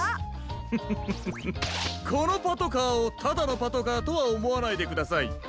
フフフフこのパトカーをただのパトカーとはおもわないでください。